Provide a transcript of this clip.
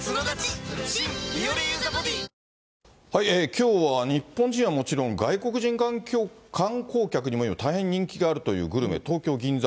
きょうは日本人はもちろん、外国人観光客にも今、大変人気があるというグルメ、東京・銀座。